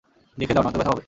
দেখে যাও, নয়তো ব্যথা পাবে।